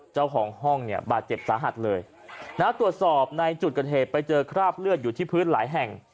เจ้าของห้องเนี่ยบาดเจ็บสาหัสเลยนะตรวจสอบในจุดเกิดเหตุไปเจอคราบเลือดอยู่ที่พื้นหลายแห่ง